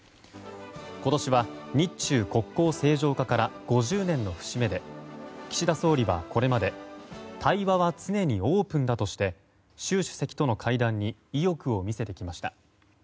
今年は日中国交正常化から５０年の節目で岸田総理はこれまで対話は常にオープンだとして習主席との会談に意欲を見せてきました。